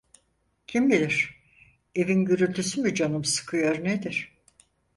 Kim bilir, evin gürültüsü mü canımı sıkıyor nedir!